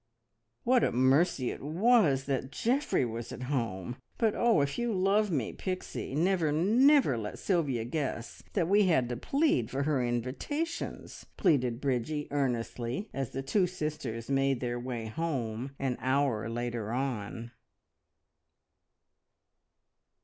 "What a mercy it was that Geoffrey was at home! But oh, if you love me, Pixie, never, never let Sylvia guess that we had to plead for her invitations!" pleaded Bridgie earnestly, as the two sisters made their way home an hour later on.